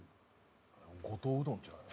五島うどんっちゅうのが。